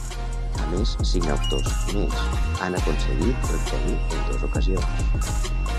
A més, cinc autors més han aconseguit el premi en dos ocasions.